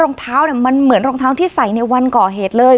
รองเท้าเนี่ยมันเหมือนรองเท้าที่ใส่ในวันก่อเหตุเลย